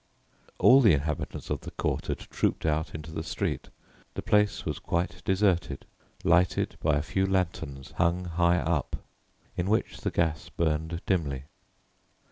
All the inhabitants of the court had trooped out into the street. The place was quite deserted, lighted by a few lanterns hung high up, in which the gas burned dimly.